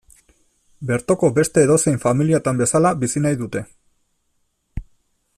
Bertoko beste edozein familiatan bezala bizi nahi dute.